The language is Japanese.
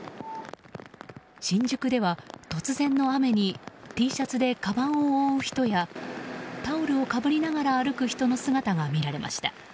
新宿では突然の雨にＴシャツでかばんを覆う人やタオルをかぶりながら歩く人の姿が見られました。